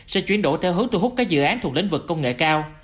sẽ chuyển đổi theo hướng thu hút các dự án thuộc lĩnh vực công nghệ cao